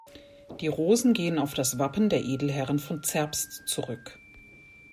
Die Rosen gehen auf das Wappen der Edelherren von Zerbst zurück.